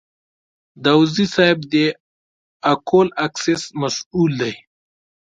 داوودزی صیب د اکول اکسیس مسوول دی.